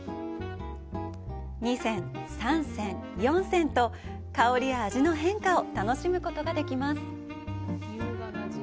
二煎、三煎、四煎と、香りや味の変化を楽しむことができます。